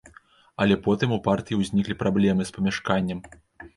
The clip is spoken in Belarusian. Але потым у партыі ўзніклі праблемы з памяшканнем.